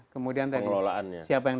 kemudian tadi siapa yang